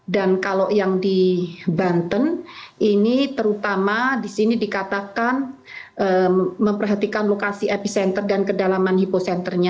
dan kalau yang di banten ini terutama disini dikatakan memperhatikan lokasi epicenter dan kedalaman hipocenternya